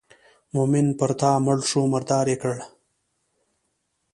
مومن پر تا مړ شو مردار یې کړ.